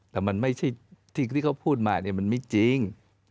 แต่ที่เขาพูดมานี่มันไม่จริง